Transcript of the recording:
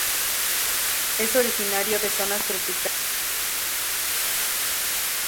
Es originario de zonas tropicales de África.